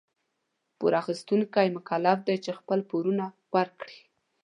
پور اخيستونکي مکلف دي چي خپل پورونه ورکړي.